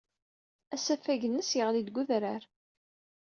Asafag-nnes yeɣli-d deg wedrar.